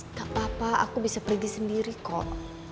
tidak apa apa aku bisa pergi sendiri kok